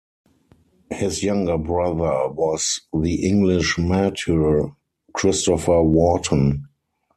His younger brother was the English martyr Christopher Wharton.